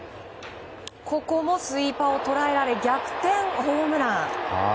ここもスイーパーを捉えられ逆転ホームラン。